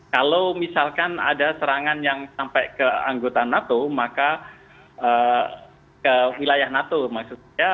kalau misalkan ada serangan yang sampai ke anggota nato maka ke wilayah nato maksud saya